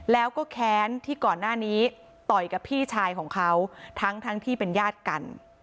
แล้วก็แค้นที่ก่อนหน้านี้ต่อยกับพี่ชายของเขาทั้งที่เป็นญาติกัน